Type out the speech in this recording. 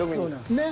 ねっ。